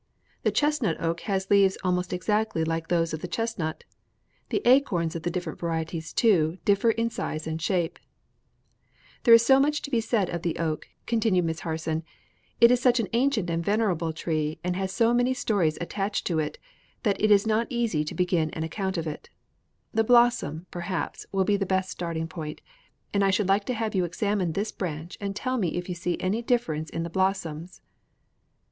The chestnut oak has leaves almost exactly like those of the chestnut. The acorns of the different varieties, too, differ in size and shape. [Illustration: WHITE OAK LEAF.] "There is so much to be said of the oak," continued Miss Harson, "it is such an ancient and venerable tree and has so many stories attached to it, that it is not easy to begin an account of it. The blossoms, perhaps, will be the best starting point: and I should like to have you examine this branch and tell me if you see any difference in the blossoms."